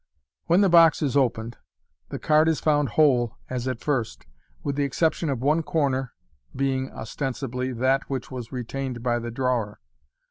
When the box is opened, the card is found whole as at first, with the exception of one corner, being (osten sibly) that which was retained by the drawer.